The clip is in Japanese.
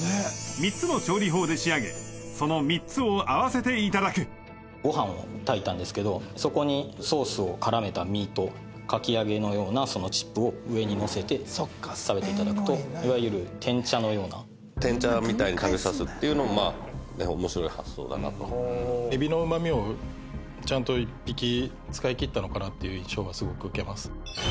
３つの調理法で仕上げその３つを合わせていただくご飯を炊いたんですけどそこにソースを絡めた身とかき揚げのようなチップを上にのせて食べていただくといわゆる天茶のようなエビの旨みをちゃんと１匹使い切ったのかなっていう印象はすごく受けます